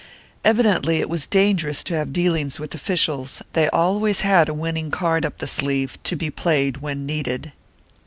2 Evidently it was dangerous to have dealings with officials; they always had a winning card up the sleeve, to be played when needed.